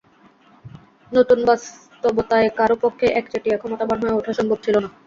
নতুন বাস্তবতায় কারও পক্ষেই একচেটিয়া ক্ষমতাবান হয়ে ওঠা সম্ভব ছিল না।